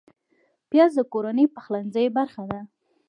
پیاز د کورنۍ پخلنځي برخه ده